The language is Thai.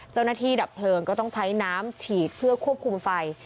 เจ้าหน้าที่ดับเพลิงก็ต้องใช้น้ำฉีดเพื่อควบคุมไฟ